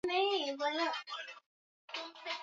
Sehemu kubwa na za juu zaidi ziko nje ya mipaka ya Ujerumani